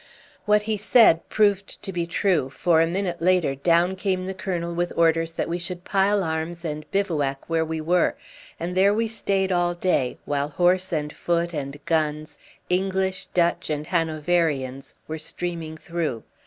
What he said proved to be true, for a minute later down came the colonel with orders that we should pile arms and bivouac where we were; and there we stayed all day, while horse and foot and guns, English, Dutch, and Hanoverians, were streaming through.